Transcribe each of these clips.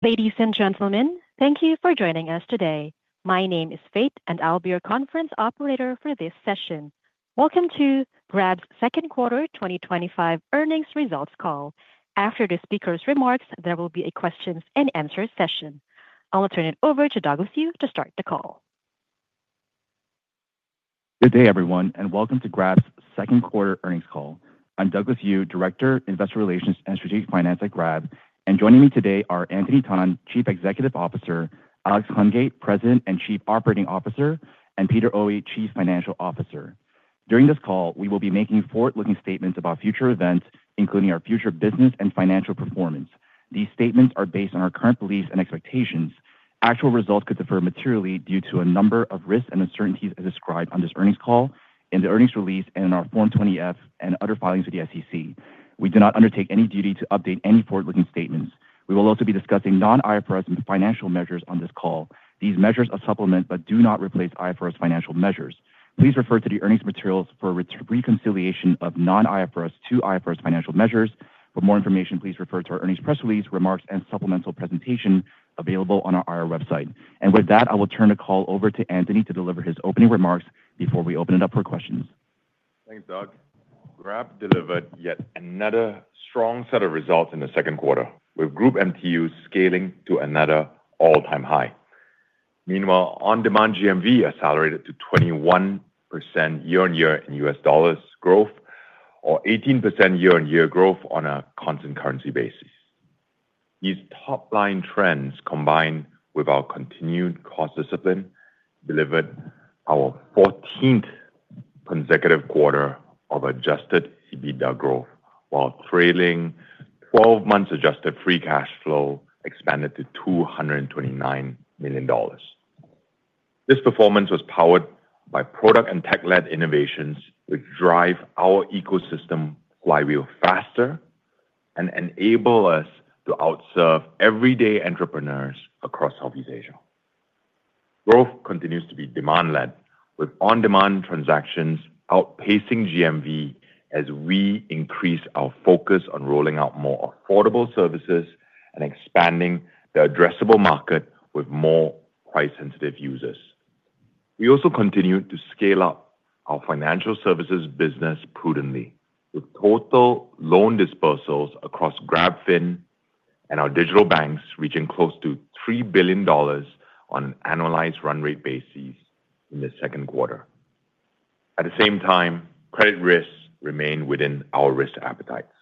Ladies and gentlemen, thank you for joining us today. My name is Faith, and I'll be your conference operator for this session. Welcome to Grab's second quarter 2025 earnings results call. After the speakers' remarks, there will be a questions and answers session. I'll turn it over to Douglas Yu to start the call. Good day, everyone, and welcome to Grab's second quarter earnings call. I'm Douglas Yu, Director, Investor Relations and Strategic Finance at Grab. Joining me today are Anthony Tan, Chief Executive Officer; Alex Hungate, President and Chief Operating Officer; and Peter Oey, Chief Financial Officer. During this call, we will be making forward-looking statements about future events, including our future business and financial performance. These statements are based on our current beliefs and expectations. Actual results could differ materially due to a number of risks and uncertainties as described on this earnings call, in the earnings release, and in our Form 20-F and other filings with the SEC. We do not undertake any duty to update any forward-looking statements. We will also be discussing non-IFRS and financial measures on this call. These measures are supplemental but do not replace IFRS financial measures. Please refer to the earnings materials for reconciliation of non-IFRS to IFRS financial measures. For more information, please refer to our earnings press release, remarks, and supplemental presentation available on our IR website. With that, I will turn the call over to Anthony to deliver his opening remarks before we open it up for questions. Thanks, Doug. Grab delivered yet another strong set of results in the second quarter, with Group MTU scaling to another all-time high. Meanwhile, on-demand GMV accelerated to 21% year-on-year in U.S. dollars growth, or 18% year-on-year growth on a constant currency basis. These top-line trends, combined with our continued cost discipline, delivered our 14th consecutive quarter of adjusted EBITDA growth, while trailing 12 months' adjusted free cash flow expanded to $229 million. This performance was powered by product and tech-led innovations, which drive our ecosystem flywheel faster and enable us to outserve everyday entrepreneurs across Southeast Asia. Growth continues to be demand-led, with on-demand transactions outpacing GMV as we increase our focus on rolling out more affordable services and expanding the addressable market with more price-sensitive users. We also continue to scale up our financial services business prudently, with total loan disbursals across GrabFin and our digital banks reaching close to $3 billion on an annualized run rate basis in the second quarter. At the same time, credit risks remain within our risk appetites.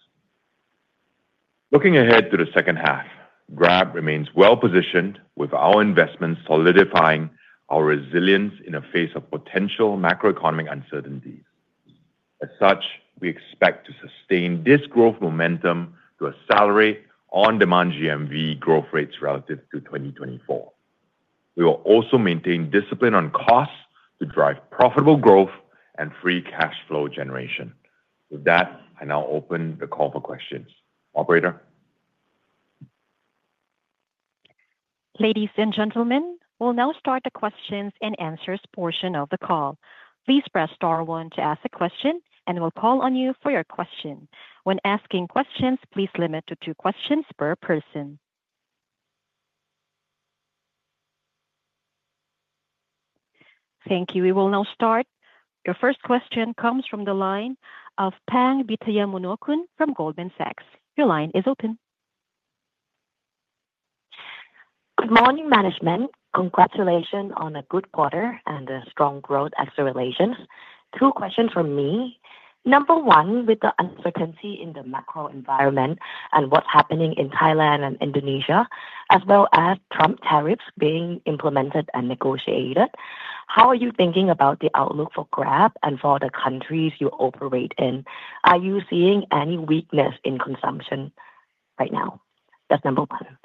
Looking ahead to the second half, Grab remains well-positioned, with our investments solidifying our resilience in the face of potential macroeconomic uncertainties. As such, we expect to sustain this growth momentum to accelerate on-demand GMV growth rates relative to 2024. We will also maintain discipline on costs to drive profitable growth and free cash flow generation. With that, I now open the call for questions. Operator. Ladies and gentlemen, we'll now start the questions and answers portion of the call. Please press star one to ask a question, and we'll call on you for your question. When asking questions, please limit to two questions per person. Thank you. We will now start. Your first question comes from the line of Pang Vittayaamnuaykoon from Goldman Sachs. Your line is open. Good morning, management. Congratulations on a good quarter and strong growth acceleration. Two questions from me. Number one, with the uncertainty in the macro environment and what's happening in Thailand and Indonesia, as well as Trump tariffs being implemented and negotiated, how are you thinking about the outlook for Grab and for the countries you operate in? Are you seeing any weakness in consumption right now? That's number one.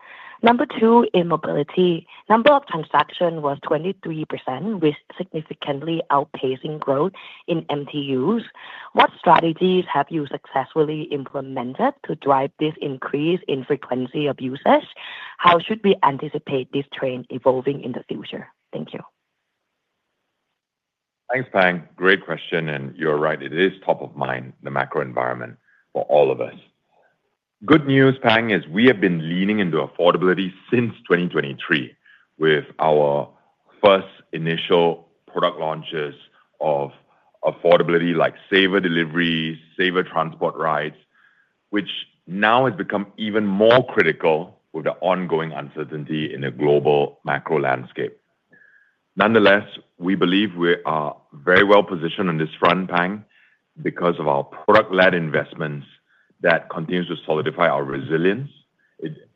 Number two, in mobility, number of transactions was 23%, with significantly outpacing growth in MTUs. What strategies have you successfully implemented to drive this increase in frequency of users? How should we anticipate this trend evolving in the future? Thank you. Thanks, Pang. Great question. You're right. It is top of mind, the macro environment, for all of us. Good news, Pang, is we have been leaning into affordability since 2023, with our first initial product launches of affordability like Saver Deliveries, Saver Transport Rides, which now has become even more critical with the ongoing uncertainty in the global macro landscape. Nonetheless, we believe we are very well-positioned on this front, Pang, because of our product-led investments that continue to solidify our resilience.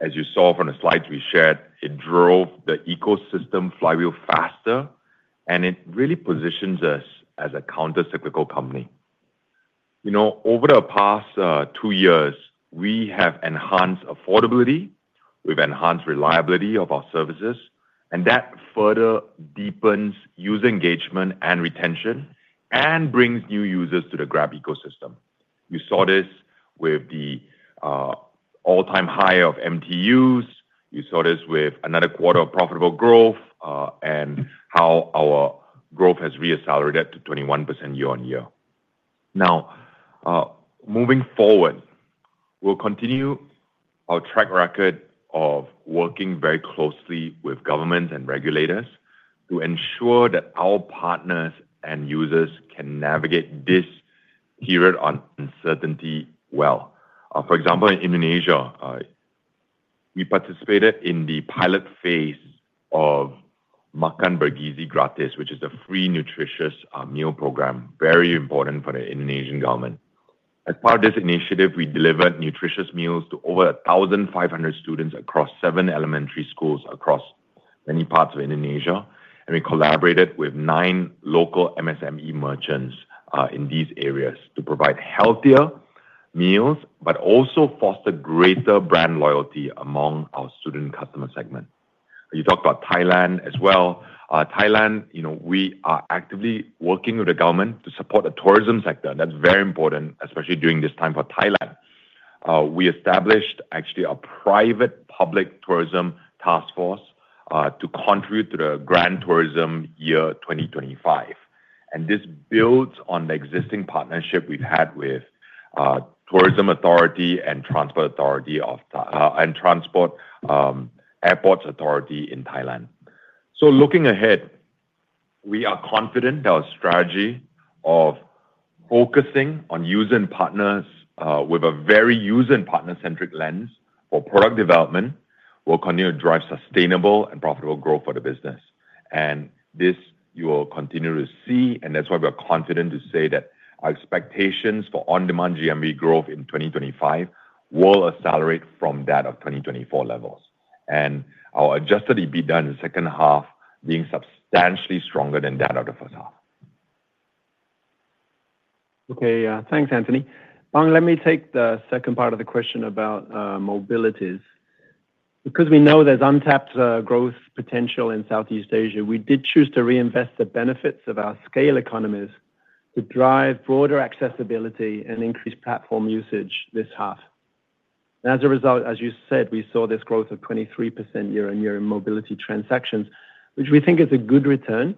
As you saw from the slides we shared, it drove the ecosystem flywheel faster, and it really positions us as a countercyclical company. Over the past two years, we have enhanced affordability. We've enhanced reliability of our services, and that further deepens user engagement and retention and brings new users to the Grab ecosystem. You saw this with the all-time high of MTUs. You saw this with another quarter of profitable growth and how our growth has re-accelerated to 21% year-on-year. Moving forward, we'll continue our track record of working very closely with governments and regulators to ensure that our partners and users can navigate this period of uncertainty well. For example, in Indonesia, we participated in the pilot phase of Makan Bergizi Gratis, which is a free nutritious meal program, very important for the Indonesian government. As part of this initiative, we delivered nutritious meals to over 1,500 students across seven elementary schools across many parts of Indonesia. We collaborated with nine local MSME merchants in these areas to provide healthier meals but also foster greater brand loyalty among our student customer segment. You talked about Thailand as well. Thailand, we are actively working with the government to support the tourism sector. That's very important, especially during this time for Thailand. We established, actually, a private-public tourism task force to contribute to the Grand Tourism Year 2025. This builds on the existing partnership we've had with Tourism Authority and Transport Authority and Airports Authority in Thailand. Looking ahead, we are confident that our strategy of focusing on user and partners with a very user and partner-centric lens for product development will continue to drive sustainable and profitable growth for the business. This you will continue to see. That's why we are confident to say that our expectations for on-demand GMV growth in 2025 will accelerate from that of 2024 levels, and our adjusted EBITDA in the second half being substantially stronger than that of the first half. Okay. Thanks, Anthony. Pang, let me take the second part of the question about mobilities. Because we know there's untapped growth potential in Southeast Asia, we did choose to reinvest the benefits of our scale economies to drive broader accessibility and increase platform usage this half. As a result, as you said, we saw this growth of 23% year-on-year in mobility transactions, which we think is a good return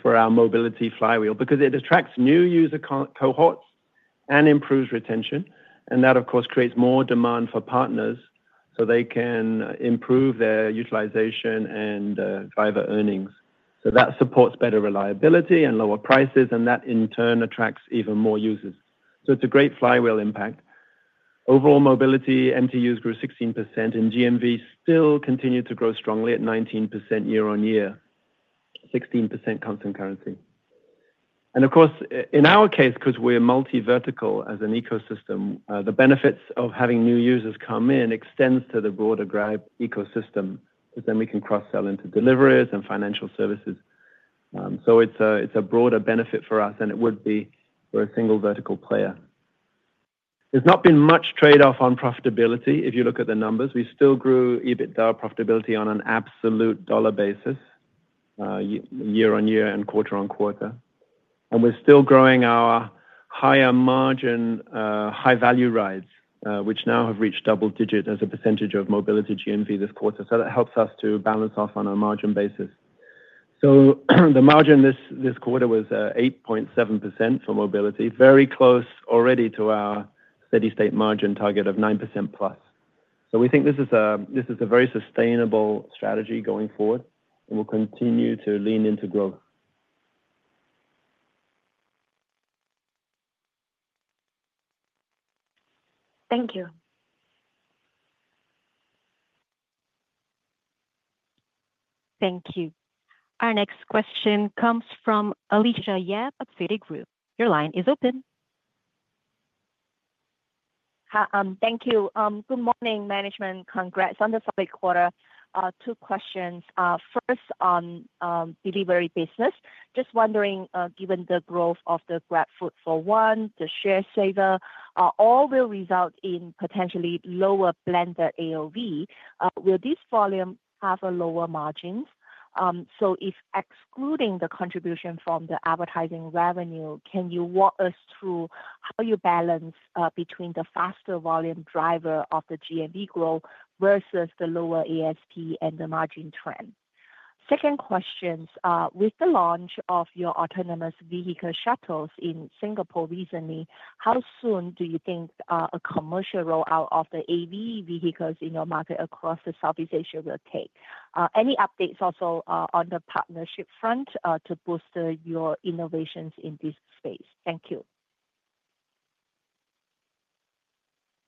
for our mobility flywheel because it attracts new user cohorts and improves retention. That, of course, creates more demand for partners so they can improve their utilization and drive earnings. That supports better reliability and lower prices, and that, in turn, attracts even more users. It's a great flywheel impact. Overall mobility MTUs grew 16%, and GMV still continued to grow strongly at 19% year-on-year, 16% constant currency. In our case, because we're multi-vertical as an ecosystem, the benefits of having new users come in extend to the broader Grab ecosystem because then we can cross-sell into deliveries and financial services. It's a broader benefit for us than it would be for a single vertical player. There's not been much trade-off on profitability if you look at the numbers. We still grew EBITDA profitability on an absolute dollar basis year-on-year and quarter-on-quarter. We're still growing our higher margin, high-value rides, which now have reached double digit as a percentage of mobility GMV this quarter. That helps us to balance off on a margin basis. The margin this quarter was 8.7% for mobility, very close already to our steady-state margin target of 9%+. We think this is a very sustainable strategy going forward, and we'll continue to lean into growth. Thank you. Thank you. Our next question comes from Alicia Yap of Citigroup. Your line is open. Thank you. Good morning, management. Congrats on the third quarter. Two questions. First, on delivery business. Just wondering, given the growth of the GrabFood for One, the Shared Saver, all will result in potentially lower blended AOV. Will this volume have lower margins? If excluding the contribution from the advertising revenue, can you walk us through how you balance between the faster volume driver of the GMV growth vs the lower ASP and the margin trend? Second question. With the launch of your autonomous vehicle shuttles in Singapore recently, how soon do you think a commercial rollout of the AV vehicles in your market across Southeast Asia will take? Any updates also on the partnership front to boost your innovations in this space? Thank you.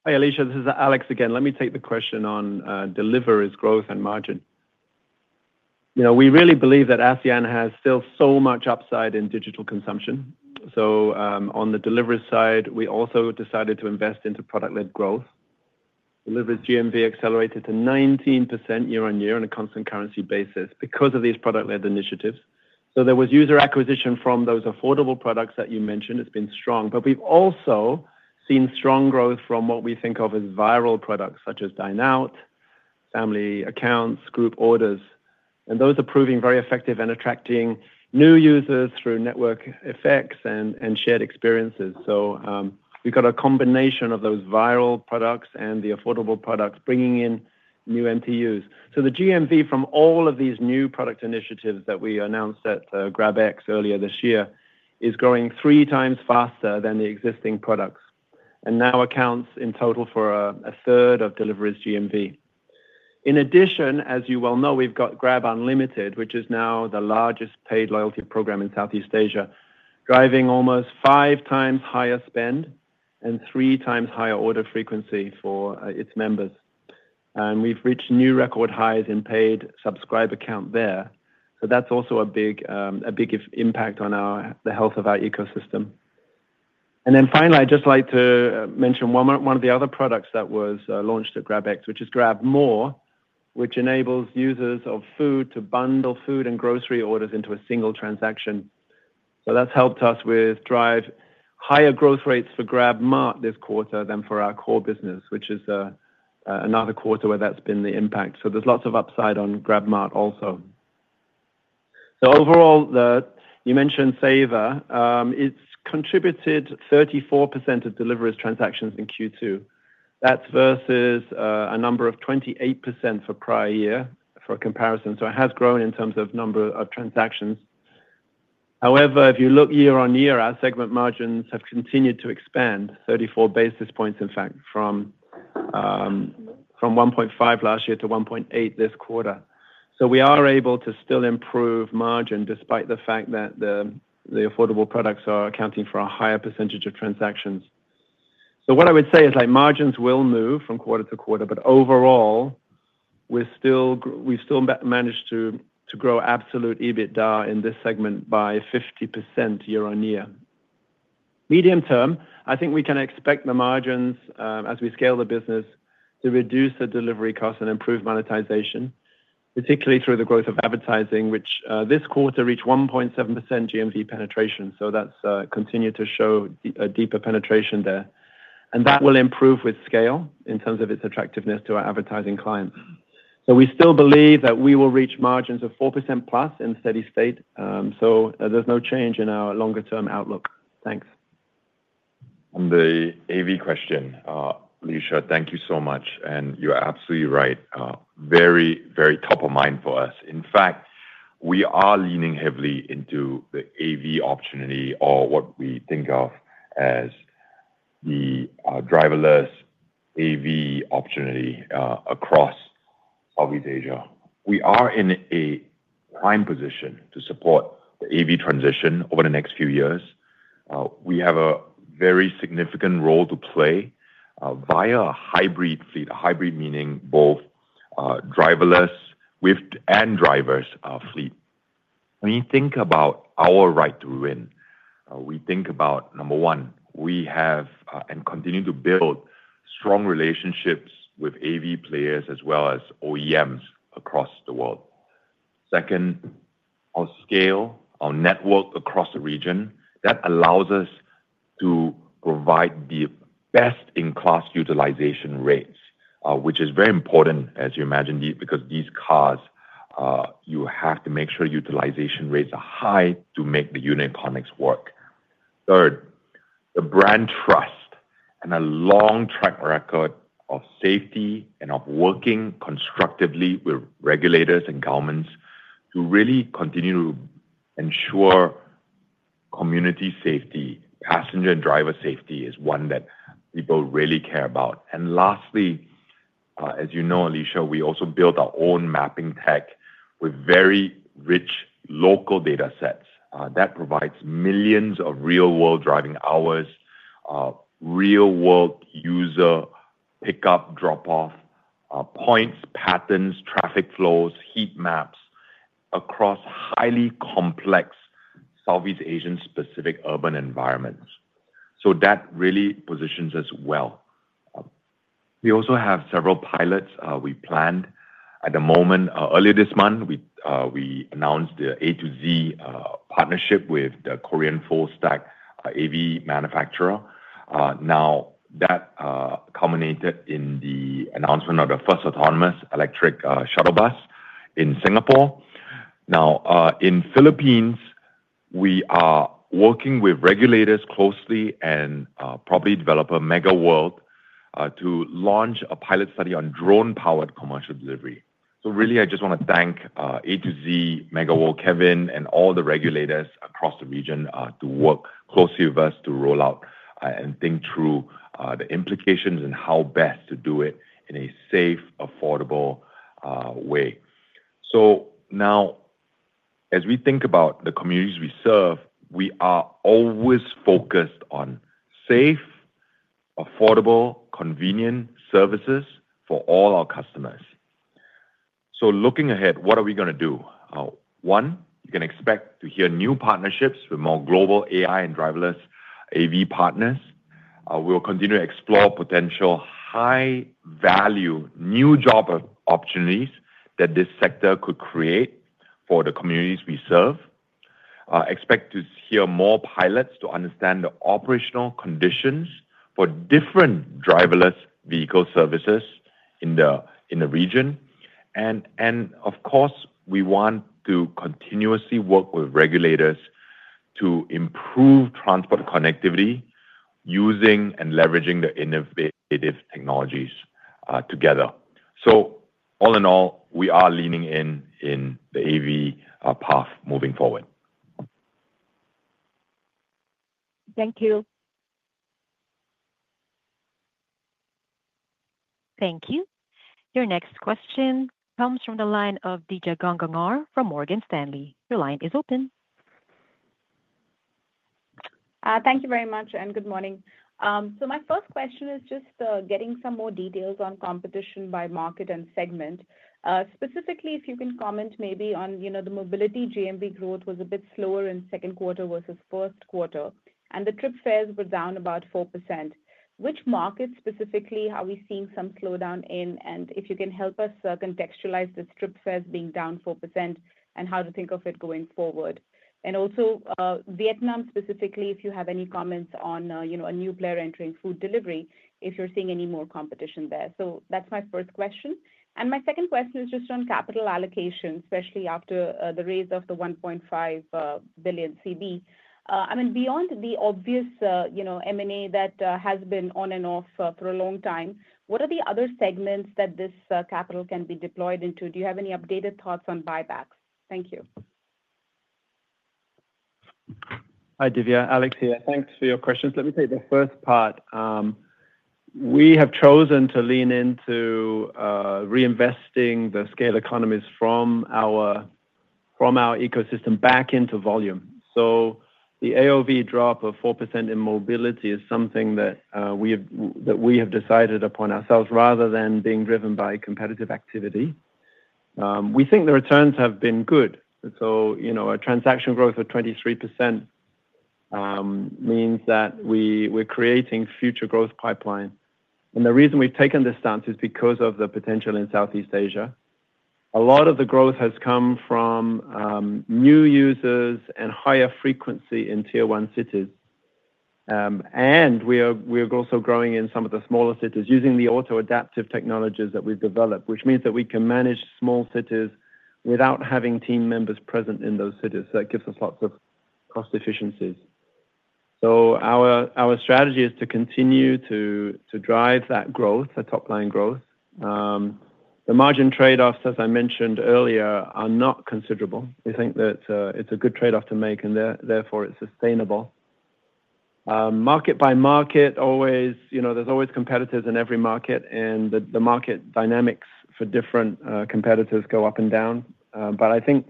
Hi, Alicia. This is Alex again. Let me take the question on deliveries, growth, and margin. We really believe that ASEAN has still so much upside in digital consumption. On the delivery side, we also decided to invest into product-led growth. Deliveries GMV accelerated to 19% year-on-year on a constant currency basis because of these product-led initiatives. There was user acquisition from those affordable products that you mentioned. It's been strong. We've also seen strong growth from what we think of as viral products such as Dine Out, Family Accounts, and Group Orders. Those are proving very effective in attracting new users through network effects and shared experiences. We've got a combination of those viral products and the affordable products bringing in new MTUs. The GMV from all of these new product initiatives that we announced at GrabX earlier this year is growing 3x faster than the existing products and now accounts in total for 1/3 of deliveries GMV. In addition, as you well know, we've got GrabUnlimited, which is now the largest paid loyalty program in Southeast Asia, driving almost 5x higher spend and 3x higher order frequency for its members. We've reached new record highs in paid subscriber count there. That's also a big impact on the health of our ecosystem. Finally, I'd just like to mention one of the other products that was launched at GrabX, which is GrabMore, which enables users to bundle food and grocery orders into a single transaction. That's helped us drive higher growth rates for GrabMart this quarter than for our core business, which is another quarter where that's been the impact. There's lots of upside on GrabMart also. Overall, you mentioned Saver. It's contributed 34% of deliveries transactions in Q2. That's vs a number of 28% for prior year for comparison. It has grown in terms of number of transactions. However, if you look year-on-year, our segment margins have continued to expand, 34 basis points, in fact, from 1.5 last year to 1.8 this quarter. We are able to still improve margin despite the fact that the affordable products are accounting for a higher percentage of transactions. Margins will move from quarter to quarter, but overall, we've still managed to grow absolute EBITDA in this segment by 50% year-on-year. Medium term, I think we can expect the margins, as we scale the business, to reduce the delivery costs and improve monetization, particularly through the growth of advertising, which this quarter reached 1.7% GMV penetration. That's continued to show a deeper penetration there. That will improve with scale in terms of its attractiveness to our advertising clients. We still believe that we will reach margins of 4%+ in steady state. There's no change in our longer-term outlook. Thanks. On the AV question, Alicia, thank you so much. You're absolutely right. Very, very top of mind for us. In fact, we are leaning heavily into the AV opportunity, or what we think of as the driverless AV opportunity across Southeast Asia. We are in a prime position to support the AV transition over the next few years. We have a very significant role to play via a hybrid fleet, a hybrid meaning both driverless and driver's fleet. When you think about our right to win, we think about, number one, we have and continue to build strong relationships with AV players as well as OEMs across the world. Second, our scale, our network across the region, that allows us to provide the best-in-class utilization rates, which is very important, as you imagine, because these cars, you have to make sure utilization rates are high to make the unit economics work. Third, the brand trust and a long track record of safety and of working constructively with regulators and governments to really continue to ensure community safety, passenger and driver safety is one that people really care about. Lastly, as you know, Alicia, we also built our own mapping tech with very rich local data sets. That provides millions of real-world driving hours, real-world user pickup, drop-off points, patterns, traffic flows, heat maps across highly complex Southeast Asian-specific urban environments. That really positions us well. We also have several pilots we planned. At the moment, earlier this month, we announced the A2Z partnership with the Korean Fullstack AV manufacturer. That culminated in the announcement of the first autonomous electric shuttle bus in Singapore. In the Philippines, we are working with regulators closely and probably developer Megaworld to launch a pilot study on drone-powered commercial delivery. I just want to thank A2Z, Megaworld, Kevin, and all the regulators across the region to work closely with us to roll out and think through the implications and how best to do it in a safe, affordable way. As we think about the communities we serve, we are always focused on safe, affordable, convenient services for all our customers. Looking ahead, what are we going to do? One, you can expect to hear new partnerships with more global AI and driverless AV partners. We'll continue to explore potential high-value new job opportunities that this sector could create for the communities we serve. Expect to hear more pilots to understand the operational conditions for different driverless vehicle services in the region. Of course, we want to continuously work with regulators to improve transport connectivity using and leveraging the innovative technologies together. All in all, we are leaning in the AV path moving forward. Thank you. Thank you. Your next question comes from the line of Divya Gangahar from Morgan Stanley. Your line is open. Thank you very much and good morning. My first question is just getting some more details on competition by market and segment. Specifically, if you can comment maybe on the mobility GMV growth was a bit slower in the second quarter vs the first quarter, and the trip fares were down about 4%. Which markets specifically are we seeing some slowdown in, and if you can help us contextualize this trip fares being down 4% and how to think of it going forward? Vietnam specifically, if you have any comments on a new player entering food delivery, if you're seeing any more competition there. That's my first question. My second question is just on capital allocation, especially after the raise of the $1.5 billion convertible bond. Beyond the obvious M&A that has been on and off for a long time, what are the other segments that this capital can be deployed into? Do you have any updated thoughts on buybacks? Thank you. Hi, Divya. Alex here. Thanks for your questions. Let me take the first part. We have chosen to lean into reinvesting the scale economies from our ecosystem back into volume. The AOV drop of 4% in mobility is something that we have decided upon ourselves rather than being driven by competitive activity. We think the returns have been good. A transaction growth of 23% means that we're creating future growth pipelines. The reason we've taken this stance is because of the potential in Southeast Asia. A lot of the growth has come from new users and higher frequency in tier one cities. We are also growing in some of the smaller cities using the auto adaptive technologies that we've developed, which means that we can manage small cities without having team members present in those cities. That gives us lots of cost efficiencies. Our strategy is to continue to drive that growth, the top-line growth. The margin trade-offs, as I mentioned earlier, are not considerable. We think that it's a good trade-off to make, and therefore, it's sustainable. Market by market, there's always competitors in every market, and the market dynamics for different competitors go up and down. I think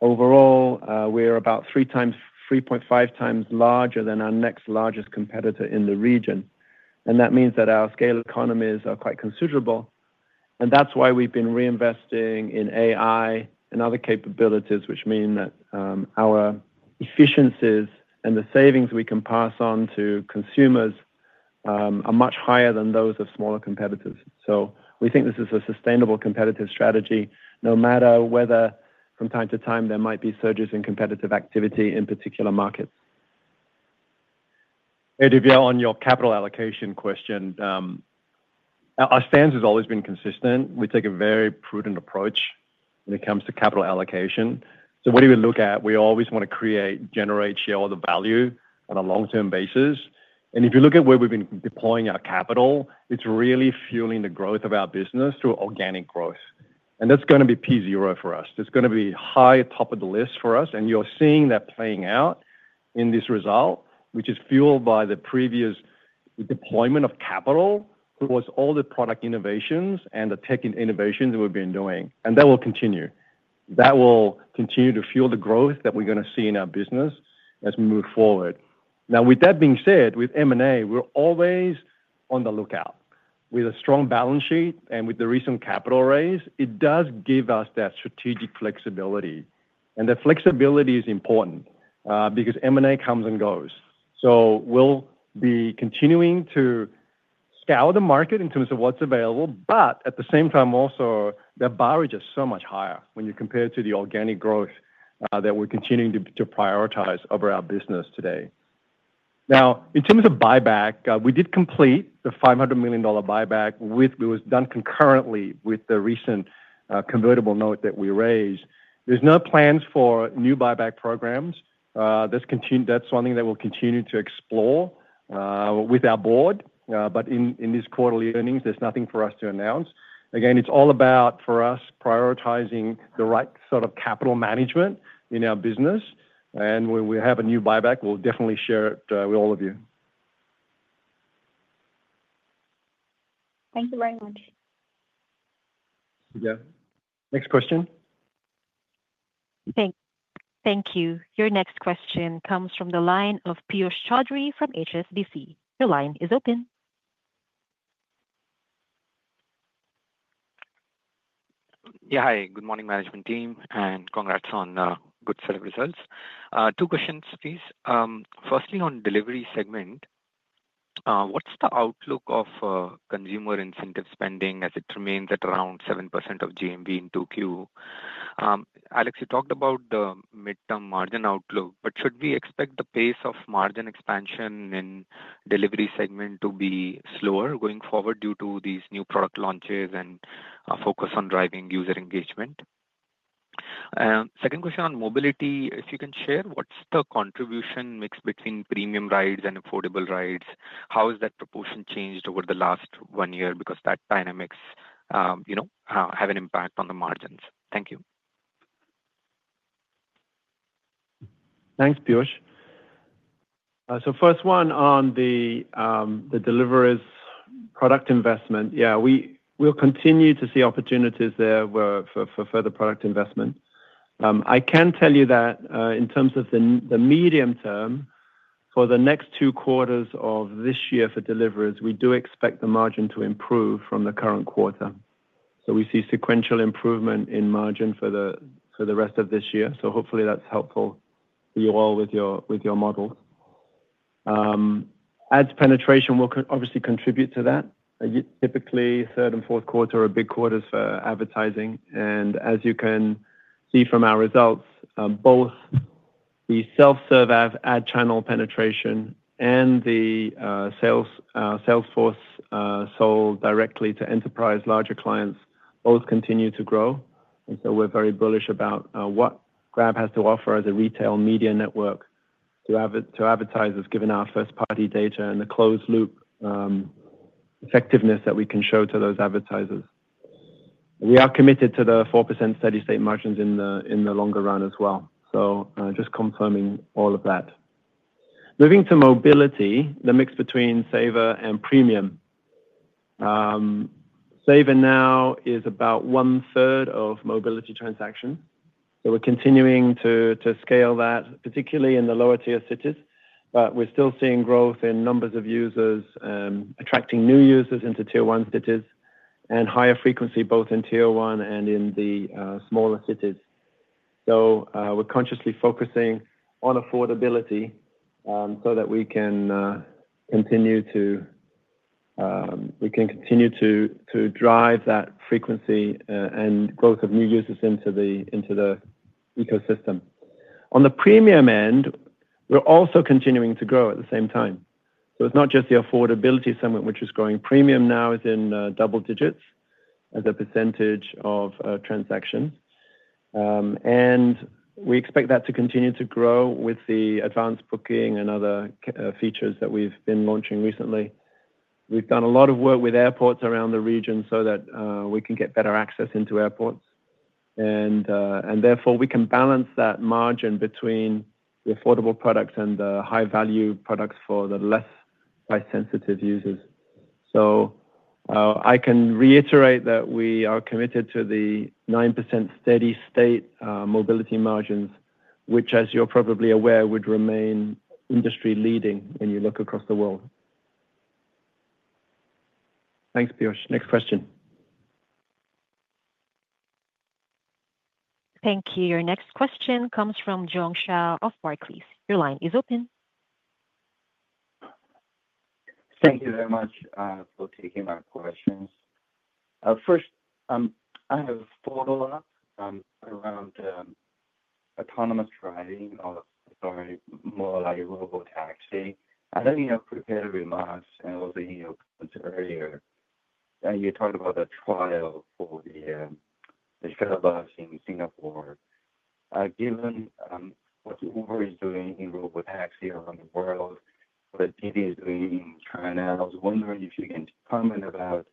overall, we're about 3.5x larger than our next largest competitor in the region. That means that our scale economies are quite considerable. That's why we've been reinvesting in AI and other capabilities, which mean that our efficiencies and the savings we can pass on to consumers are much higher than those of smaller competitors. We think this is a sustainable competitive strategy, no matter whether from time to time there might be surges in competitive activity in particular markets. Hey, Divya, on your capital allocation question. Our stance has always been consistent. We take a very prudent approach when it comes to capital allocation. What do we look at? We always want to create, generate, share all the value on a long-term basis. If you look at where we've been deploying our capital, it's really fueling the growth of our business through organic growth. That's going to be P0 for us. It's going to be high top of the list for us. You're seeing that playing out in this result, which is fueled by the previous deployment of capital towards all the product innovations and the tech innovations that we've been doing. That will continue. That will continue to fuel the growth that we're going to see in our business as we move forward. Now, with that being said, with M&A, we're always on the lookout. With a strong balance sheet and with the recent capital raise, it does give us that strategic flexibility. That flexibility is important because M&A comes and goes. We'll be continuing to scour the market in terms of what's available, but at the same time, also, the bar is just so much higher when you compare it to the organic growth that we're continuing to prioritize over our business today. In terms of buyback, we did complete the $500 million buyback. It was done concurrently with the recent convertible note that we raised. There's no plans for new buyback programs. That's one thing that we'll continue to explore with our board. In these quarterly earnings, there's nothing for us to announce. Again, it's all about, for us, prioritizing the right sort of capital management in our business. When we have a new buyback, we'll definitely share it with all of you. Thank you very much. Yeah, next question. Thank you. Your next question comes from the line of Piyush Choudhary from HSBC. Your line is open. Yeah, hi. Good morning, management team, and congrats on a good set of results. Two questions, please. Firstly, on delivery segment. What's the outlook of consumer incentive spending as it remains at around 7% of GMV in 2Q? Alex, you talked about the mid-term margin outlook, but should we expect the pace of margin expansion in delivery segment to be slower going forward due to these new product launches and focus on driving user engagement? Second question on mobility. If you can share, what's the contribution mix between premium rides and affordable rides? How has that proportion changed over the last one year? Because that dynamics have an impact on the margins. Thank you. Thanks, Piyush. First one on the deliveries product investment. We'll continue to see opportunities there for further product investment. I can tell you that in terms of the medium term, for the next two quarters of this year for deliveries, we do expect the margin to improve from the current quarter. We see sequential improvement in margin for the rest of this year. Hopefully, that's helpful for you all with your models. Ad penetration will obviously contribute to that. Typically, third and fourth quarter are big quarters for advertising. As you can see from our results, both the self-serve ad channel penetration and the Salesforce sold directly to enterprise larger clients both continue to grow. We're very bullish about what Grab has to offer as a retail media network to advertisers, given our first-party data and the closed-loop effectiveness that we can show to those advertisers. We are committed to the 4% steady-state margins in the longer run as well. Just confirming all of that. Moving to mobility, the mix between Saver and Premium. Saver now is about 1/3 of mobility transactions. We're continuing to scale that, particularly in the lower-tier cities. We're still seeing growth in numbers of users and attracting new users into tier one cities and higher frequency both in tier one and in the smaller cities. We're consciously focusing on affordability so that we can continue to drive that frequency and growth of new users into the ecosystem. On the Premium end, we're also continuing to grow at the same time. It's not just the affordability segment, which is growing. Premium now is in double digits as a percentage of transactions. We expect that to continue to grow with the advanced booking and other features that we've been launching recently. We've done a lot of work with airports around the region so that we can get better access into airports. Therefore, we can balance that margin between the affordable products and the high-value products for the less price-sensitive users. I can reiterate that we are committed to the 9% steady-state mobility margins, which, as you're probably aware, would remain industry-leading when you look across the world. Thanks, Piyush. Next question. Thank you. Your next question comes from Jiong Shao of Barclays. Your line is open. Thank you very much for taking my questions. First, I have a follow-up around autonomous driving, sorry, more like robotaxi. I think you have prepared remarks, and I was thinking of earlier. You talked about the trial for the shuttle bus in Singapore. Given what Uber is doing in RoboTaxi around the world, what Didi is doing in China, I was wondering if you can comment about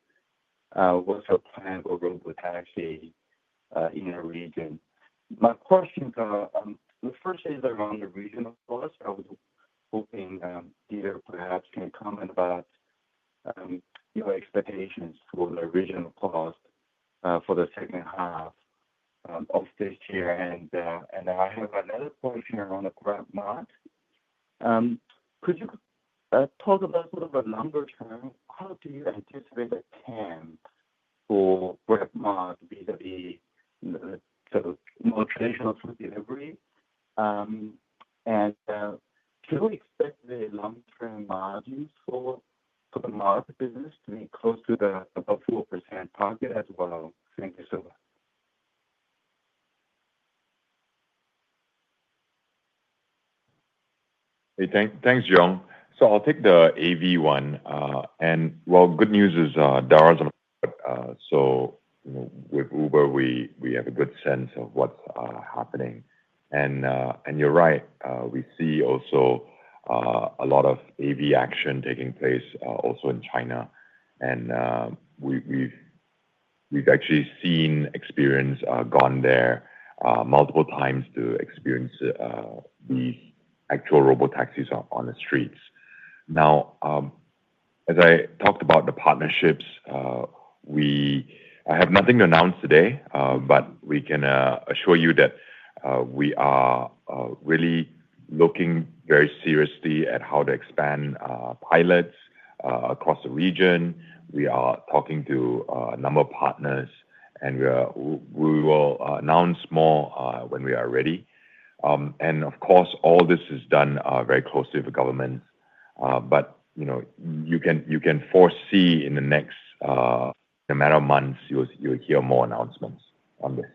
what's your plan for RoboTaxi in the region? My questions, the first is around the regional cost. I was hoping do you perhaps can comment about your expectations for the regional cost for the second half of this year. I have another question around GrabMart. Could you talk about sort of a longer term, how do you anticipate a TAM for GrabMart vis-à-vis the more traditional food delivery? Do you expect the long-term margins for the market business to be close to the 4% target as well? Thank you so much. Hey, thanks, Jiong. I'll take the AV one. Good news is Dara's on the Uber. With Uber, we have a good sense of what's happening. You're right. We see also a lot of AV action taking place in China. We've actually gone there multiple times to experience these actual robotaxis on the streets. As I talked about the partnerships, I have nothing to announce today, but we can assure you that we are really looking very seriously at how to expand pilots across the region. We are talking to a number of partners, and we will announce more when we are ready. Of course, all this is done very closely with governments. You can foresee in the next matter of months, you'll hear more announcements on this.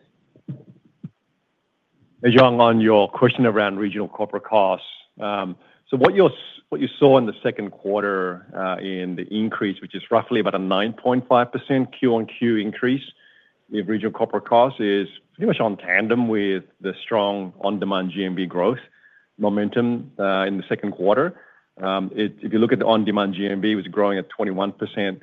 Hey, Jiong, on your question around regional corporate costs. What you saw in the second quarter in the increase, which is roughly about a 9.5% Q on Q increase in regional corporate costs, is pretty much in tandem with the strong on-demand GMV growth momentum in the second quarter. If you look at the on-demand GMV, it was growing at 21%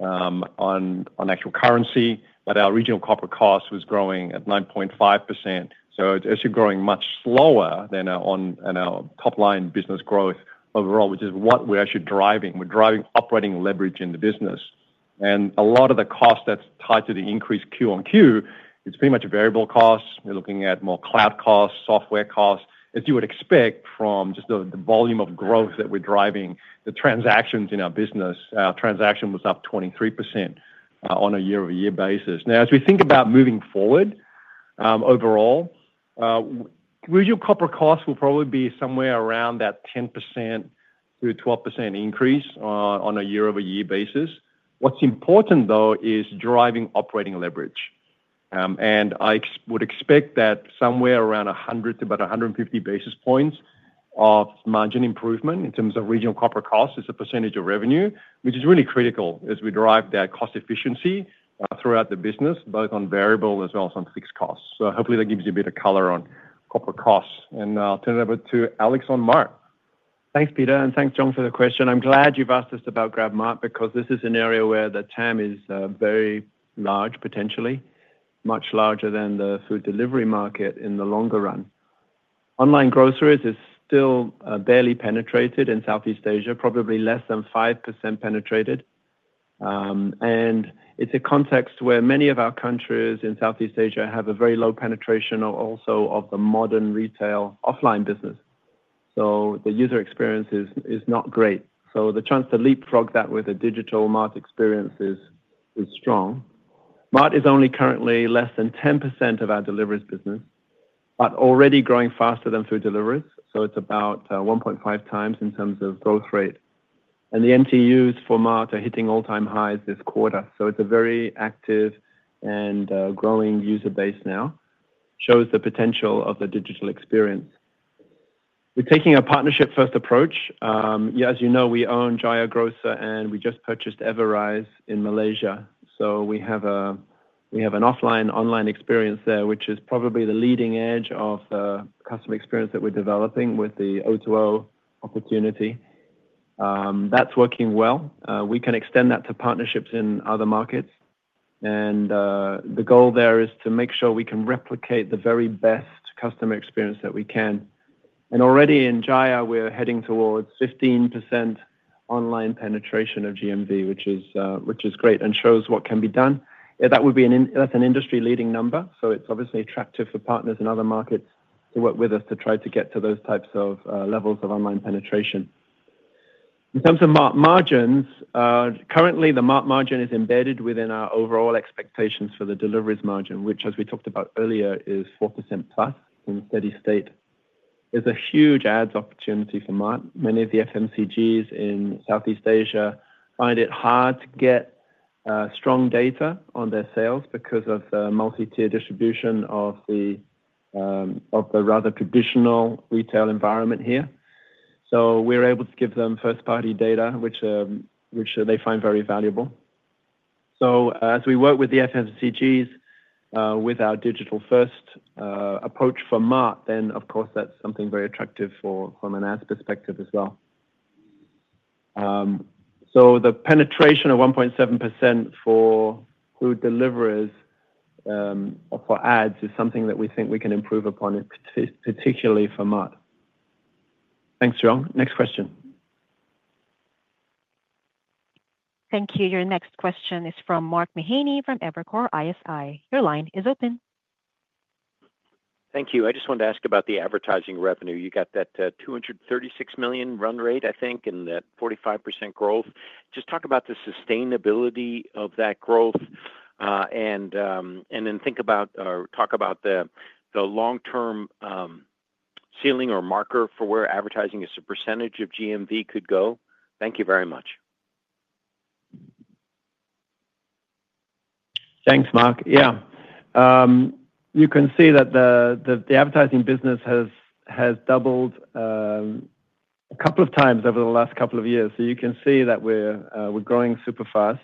on actual currency, but our regional corporate cost was growing at 9.5%. It's actually growing much slower than our top-line business growth overall, which is what we're actually driving. We're driving operating leverage in the business. A lot of the cost that's tied to the increased Q on Q is pretty much variable costs. You're looking at more cloud costs, software costs, as you would expect from just the volume of growth that we're driving, the transactions in our business. Our transaction was up 23% on a year-over-year basis. As we think about moving forward, overall, regional corporate costs will probably be somewhere around that 10%-12% increase on a year-over-year basis. What's important, though, is driving operating leverage. I would expect that somewhere around 100-150 basis points of margin improvement in terms of regional corporate costs as a percentage of revenue, which is really critical as we drive that cost efficiency throughout the business, both on variable as well as on fixed costs. Hopefully, that gives you a bit of color on corporate costs. I'll turn it over to Alex on Mart. Thanks, Peter. Thanks, Jiong, for the question. I'm glad you've asked us about GrabMart because this is an area where the TAM is very large, potentially much larger than the food delivery market in the longer run. Online groceries is still barely penetrated in Southeast Asia, probably less than 5% penetrated. It's a context where many of our countries in Southeast Asia have a very low penetration also of the modern retail offline business. The user experience is not great. The chance to leapfrog that with a digital Mart experience is strong. Mart is only currently less than 10% of our deliveries business, but already growing faster than food deliveries. It's about 1.5x in terms of growth rate, and the MTUs for Mart are hitting all-time highs this quarter. It's a very active and growing user base now, shows the potential of the digital experience. We're taking a partnership-first approach. As you know, we own Jaya Grocer, and we just purchased Everrise in Malaysia. We have an offline-online experience there, which is probably the leading edge of the customer experience that we're developing with the O2O opportunity. That's working well. We can extend that to partnerships in other markets. The goal there is to make sure we can replicate the very best customer experience that we can. Already in Jaya, we're heading towards 15% online penetration of GMV, which is great and shows what can be done. That's an industry-leading number. It's obviously attractive for partners in other markets to work with us to try to get to those types of levels of online penetration. In terms of Mart margins, currently, the Mart margin is embedded within our overall expectations for the deliveries margin, which, as we talked about earlier, is 4%+ in steady-state. It's a huge ads opportunity for Mart. Many of the FMCGs in Southeast Asia find it hard to get strong data on their sales because of the multi-tier distribution of the rather traditional retail environment here. We're able to give them first-party data, which they find very valuable. As we work with the FMCGs with our digital-first approach for Mart, that's something very attractive from an ads perspective as well. The penetration of 1.7% for food deliveries for ads is something that we think we can improve upon, particularly for Mart. Thanks, Jiong. Next question. Thank you. Your next question is from Mark Mahaney from Evercore ISI. Your line is open. Thank you. I just wanted to ask about the advertising revenue. You got that $236 million run rate, I think, and that 45% growth. Just talk about the sustainability of that growth. Talk about the long-term ceiling or marker for where advertising as a percentage of GMV could go. Thank you very much. Thanks, Mark. Yeah. You can see that the advertising business has doubled a couple of times over the last couple of years. You can see that we're growing super fast.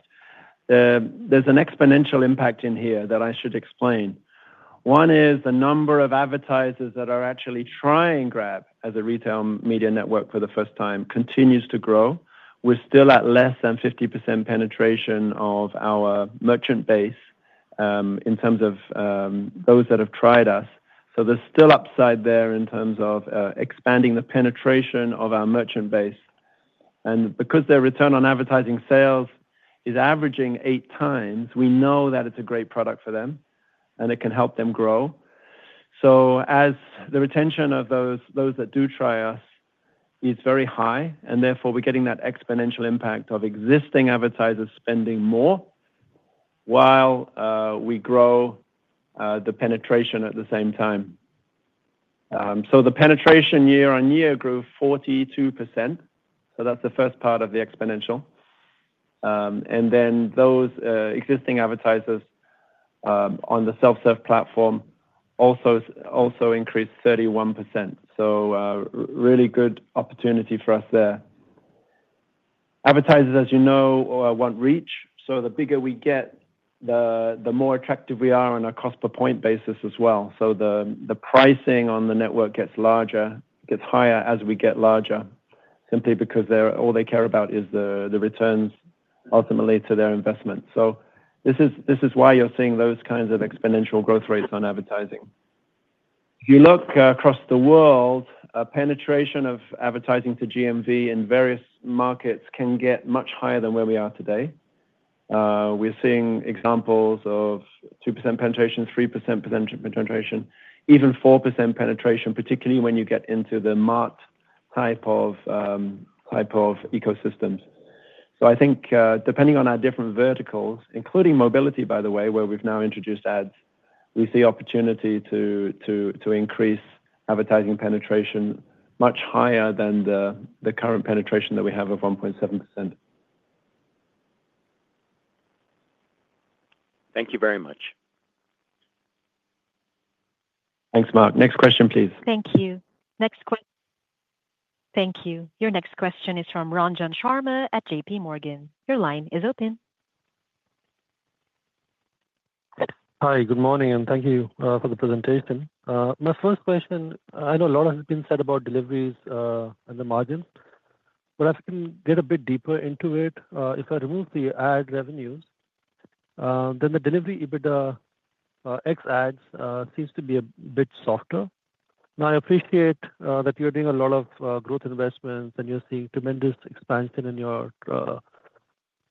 There's an exponential impact in here that I should explain. One is the number of advertisers that are actually trying Grab as a retail media network for the first time continues to grow. We're still at less than 50% penetration of our merchant base in terms of those that have tried us, so there's still upside there in terms of expanding the penetration of our merchant base. Because their return on advertising sales is averaging 8x, we know that it's a great product for them, and it can help them grow. As the retention of those that do try us is very high, we're getting that exponential impact of existing advertisers spending more while we grow the penetration at the same time. The penetration year-on-year grew 42%. That's the first part of the exponential. Those existing advertisers on the self-serve platform also increased 31%. Really good opportunity for us there. Advertisers, as you know, want reach. The bigger we get, the more attractive we are on a cost-per-point basis as well. The pricing on the network gets higher as we get larger, simply because all they care about is the returns ultimately to their investment. This is why you're seeing those kinds of exponential growth rates on advertising. If you look across the world, penetration of advertising to GMV in various markets can get much higher than where we are today. We're seeing examples of 2% penetration, 3% penetration, even 4% penetration, particularly when you get into the Mart type of ecosystems. I think depending on our different verticals, including mobility, by the way, where we've now introduced ads, we see opportunity to increase advertising penetration much higher than the current penetration that we have of 1.7%. Thank you very much. Thanks, Mark. Next question, please. Thank you. Next question. Thank you. Your next question is from Ranjan Sharma at JPMorgan. Your line is open. Hi, good morning, and thank you for the presentation. My first question, I know a lot has been said about deliveries and the margins. If I can get a bit deeper into it, if I remove the ad revenues, then the delivery EBITDA ex-ads seems to be a bit softer. I appreciate that you're doing a lot of growth investments, and you're seeing tremendous expansion in your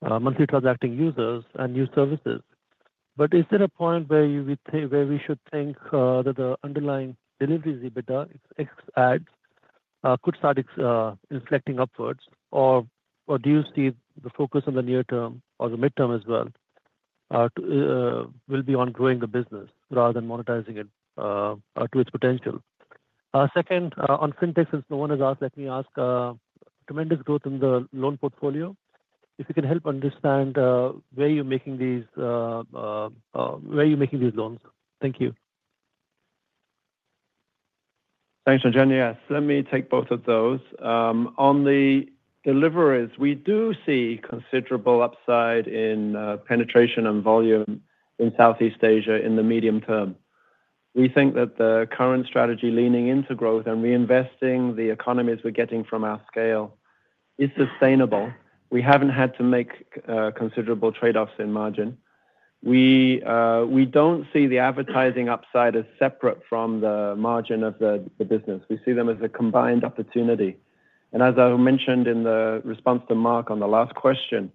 monthly transacting users and new services. Is there a point where we should think that the underlying deliveries EBITDA ex-ads could start inflecting upwards? Do you see the focus in the near term or the mid-term as well will be on growing the business rather than monetizing it to its potential? Second, on fintechs, as no one has asked, let me ask, tremendous growth in the loan portfolio. If you can help understand where you're making these loans. Thank you. Thanks, Ranjan. Yes, let me take both of those. On the deliveries, we do see considerable upside in penetration and volume in Southeast Asia in the medium term. We think that the current strategy leaning into growth and reinvesting the economies we're getting from our scale is sustainable. We haven't had to make considerable trade-offs in margin. We don't see the advertising upside as separate from the margin of the business. We see them as a combined opportunity. As I mentioned in the response to Mark on the last question,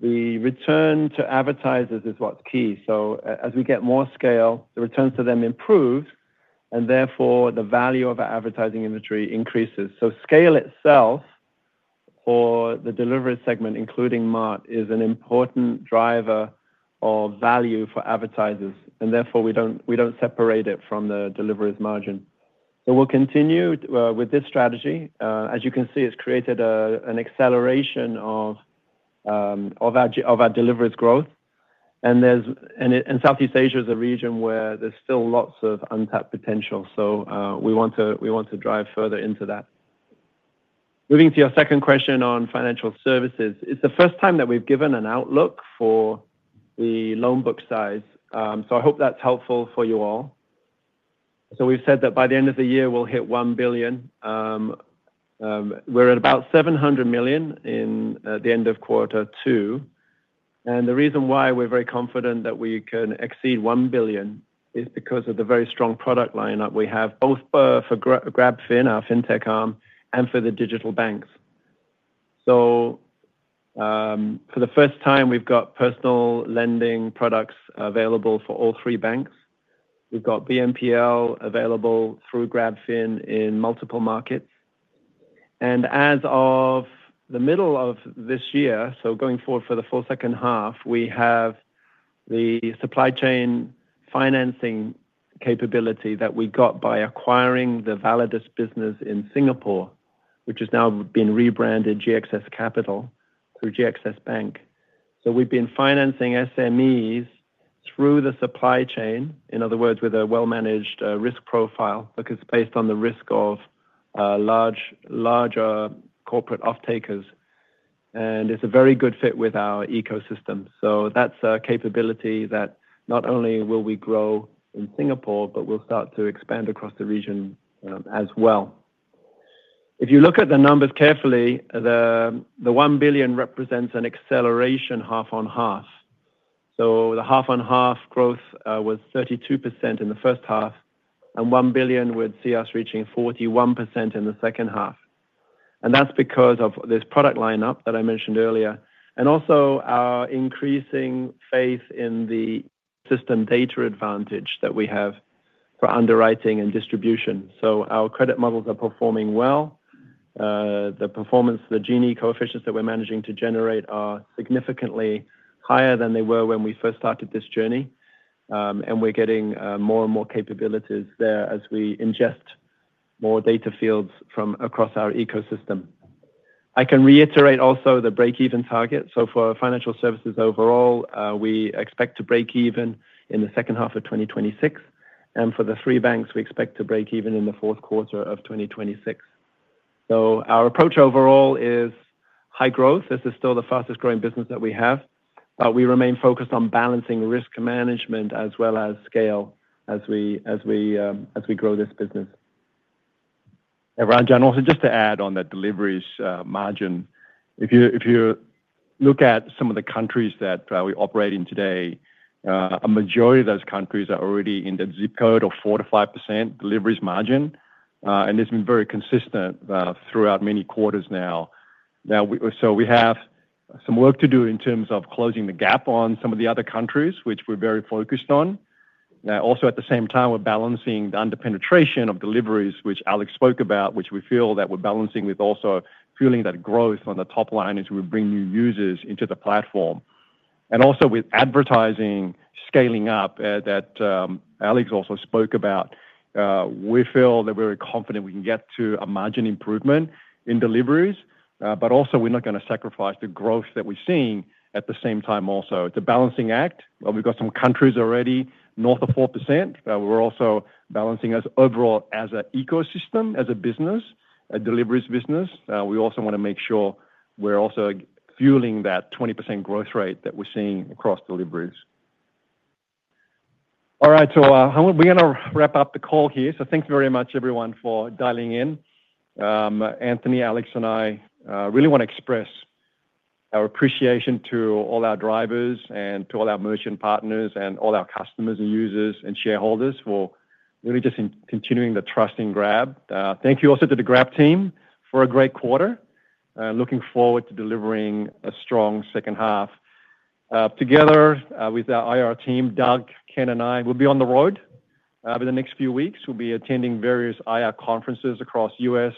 the return to advertisers is what's key. As we get more scale, the returns to them improve, and therefore, the value of our advertising inventory increases. Scale itself for the delivery segment, including GrabMart, is an important driver of value for advertisers, and therefore, we don't separate it from the deliveries margin. We'll continue with this strategy. As you can see, it's created an acceleration of our deliveries growth. Southeast Asia is a region where there's still lots of untapped potential. We want to drive further into that. Moving to your second question on financial services, it's the first time that we've given an outlook for the loan book size. I hope that's helpful for you all. We've said that by the end of the year, we'll hit $1 billion. We're at about $700 million at the end of quarter two. The reason why we're very confident that we can exceed $1 billion is because of the very strong product lineup we have, both for GrabFin, our fintech arm, and for the digital banks. For the first time, we've got personal lending products available for all three banks. We've got BNPL available through GrabFin in multiple markets. As of the middle of this year, going forward for the full second half, we have the supply chain financing capability that we got by acquiring the Validus business in Singapore, which has now been rebranded GXS Capital through GXS Bank. We've been financing SMEs through the supply chain, in other words, with a well-managed risk profile because it's based on the risk of larger corporate off-takers. It's a very good fit with our ecosystem. That's a capability that not only will we grow in Singapore, but we'll start to expand across the region as well. If you look at the numbers carefully, the $1 billion represents an acceleration half on half. The half on half growth was 32% in the first half, and $1 billion would see us reaching 41% in the second half. That's because of this product lineup that I mentioned earlier, and also our increasing faith in the system data advantage that we have for underwriting and distribution. Our credit models are performing well. The performance, the Gini coefficients that we're managing to generate, are significantly higher than they were when we first started this journey. We're getting more and more capabilities there as we ingest more data fields from across our ecosystem. I can reiterate also the break-even target. For financial services overall, we expect to break even in the second half of 2026. For the three banks, we expect to break even in the fourth quarter of 2026. Our approach overall is high growth. This is still the fastest-growing business that we have. We remain focused on balancing risk management as well as scale as we grow this business. Ron, just to add on that deliveries margin, if you look at some of the countries that we operate in today, a majority of those countries are already in the ZIP code of 4%-5% deliveries margin, and it's been very consistent throughout many quarters now. We have some work to do in terms of closing the gap on some of the other countries, which we're very focused on. At the same time, we're balancing the under-penetration of deliveries, which Alex spoke about, which we feel that we're balancing with also fueling that growth on the top line as we bring new users into the platform. Also, with advertising scaling up, Alex also spoke about that. We feel that we're very confident we can get to a margin improvement in deliveries, but we're not going to sacrifice the growth that we're seeing at the same time. It's a balancing act. We've got some countries already north of 4%. We're also balancing us overall as an ecosystem, as a business, a deliveries business. We also want to make sure we're also fueling that 20% growth rate that we're seeing across deliveries. All right. We're going to wrap up the call here. Thank you very much, everyone, for dialing in. Anthony, Alex, and I really want to express our appreciation to all our drivers and to all our merchant partners and all our customers and users and shareholders for really just continuing the trust in Grab. Thank you also to the Grab team for a great quarter. Looking forward to delivering a strong second half. Together with our IR team, Doug, Ken, and I, we'll be on the road over the next few weeks. We'll be attending various IR conferences across the U.S.,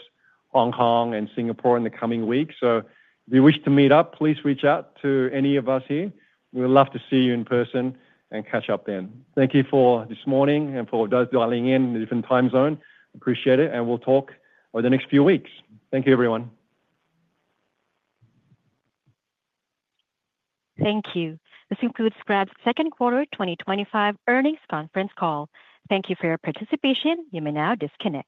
Hong Kong, and Singapore in the coming weeks. If you wish to meet up, please reach out to any of us here. We would love to see you in person and catch up then. Thank you for this morning and for those dialing in in the different time zone. Appreciate it. We'll talk over the next few weeks. Thank you, everyone. Thank you. This concludes Grab's second quarter 2025 earnings conference call. Thank you for your participation. You may now disconnect.